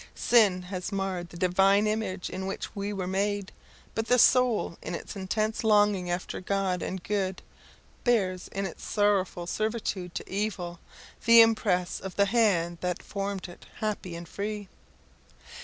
Sin has marred the Divine image in which we were made, but the soul in its intense longing after God and good bears, in its sorrowful servitude to evil, the impress of the hand that formed it happy and free.